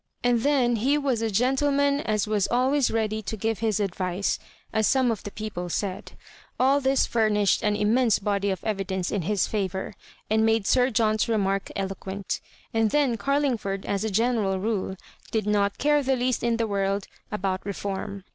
And then, "he was a gentleman as was always ready to give his advice," as some of the people said. AH this furnished an im mense body of evidence in his favour, and made Sir John's remark eloquent And then Carling ford, as a general rule, did not care the least in the world about Reform.